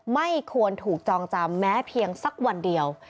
ไม่ควรถูกจองจำแม้เพียงสักวันเดียว